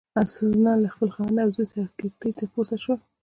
سوزانا له خپل خاوند او زوی سره کښتۍ ته پورته شول.